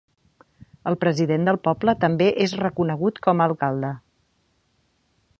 El president del poble també és reconegut com a alcalde.